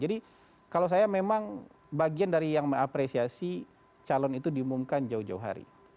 jadi kalau saya memang bagian dari yang mengapresiasi calon itu diumumkan jauh jauh hari